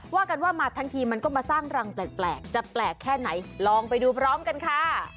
ว่ากันว่ามาทั้งทีมันก็มาสร้างรังแปลกจะแปลกแค่ไหนลองไปดูพร้อมกันค่ะ